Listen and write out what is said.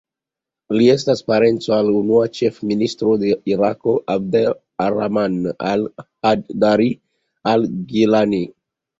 Li estis parenco al la unua ĉefministro de Irako, Abd ar-Rahman al-Hajdari al-Gillani.